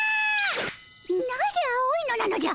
なぜ青いのなのじゃ！